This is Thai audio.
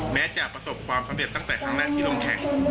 แม้จะประสบความสำเร็จตั้งแต่ครั้งแรกที่ลงแข่ง